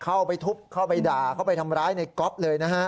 เข้าไปทุบเข้าไปด่าเข้าไปทำร้ายในก๊อฟเลยนะฮะ